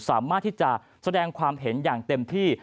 สามารถที่จะแสดงความเห็นอย่างเต็มที่